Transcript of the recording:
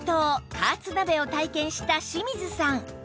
加圧鍋を体験した清水さん